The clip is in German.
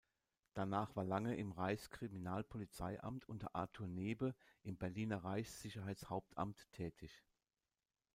Danach war Lange im Reichskriminalpolizeiamt unter Arthur Nebe im Berliner Reichssicherheitshauptamt tätig.